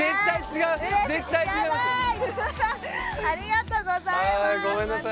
ありがとうございます！